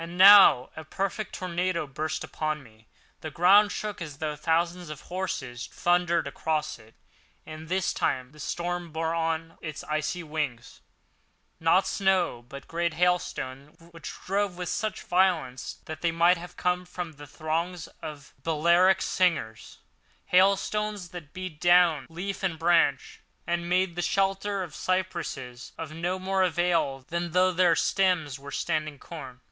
And now a perfect tornado burst upon me. The ground shook as though thousands of horses thundered across it; and this time the storm bore on its icy wings, not snow, but great hailstones which drove with such violence that they might have come from the thongs of Balearic slingers—hailstones that beat down leaf and branch and made the shelter of the cypresses of no more avail than though their stems were standing corn.